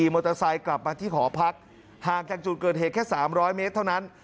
มอเตอร์ไซค์กลับมาที่หอพักห่างจากจุดเกิดเหตุแค่๓๐๐เมตรเท่านั้น